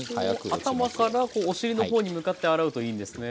頭からお尻の方に向かって洗うといいんですね。